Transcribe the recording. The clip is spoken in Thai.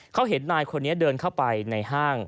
เขาเห็นนายคนนี้เดินเข้าไปในห้าง